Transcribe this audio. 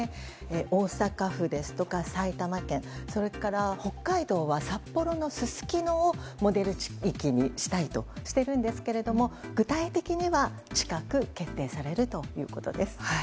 大阪府ですとか埼玉県それから、北海道は札幌のすすきのをモデル地域にしたいとしているんですけど具体的には近く決定されるということです。